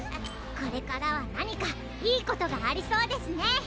これからはなにかいいことがありそうですね。